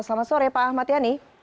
selamat sore pak ahmad yani